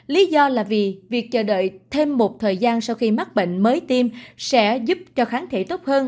lý do là vì việc chờ đợi thêm một thời gian sau khi mắc bệnh mới tiêm sẽ giúp cho kháng thể tốt hơn